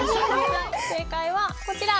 正解はこちら。